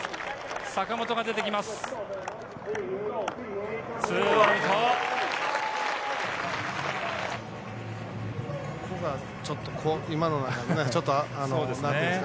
坂本が出てきます。